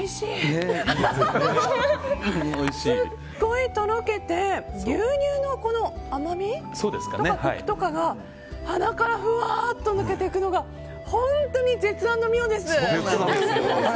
すごいとろけて牛乳の甘みとかコクとかが鼻からふわっと抜けていくのが本当に絶＆妙です。